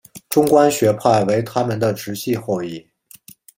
中观学派为他们的直系后裔。